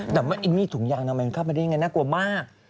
แต่ว่าอันนี้ถุงยางนางแมงส่งมาได้ยังไงนักกลัวมาก